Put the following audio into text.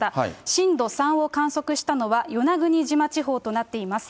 震度３を観測したのは、与那国島地方となっています。